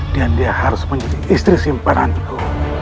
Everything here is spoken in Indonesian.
dan dia harus menjadi istri simpananku